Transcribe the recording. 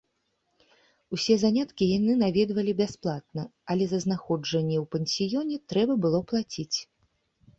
Усе заняткі яны наведвалі бясплатна, але за знаходжанне ў пансіёне трэба было плаціць.